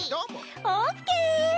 オッケー！